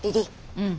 うん。